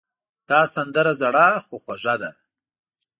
دا سندره زړې خو خوږه ده.